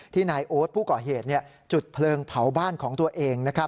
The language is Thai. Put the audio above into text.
นายโอ๊ตผู้ก่อเหตุจุดเพลิงเผาบ้านของตัวเอง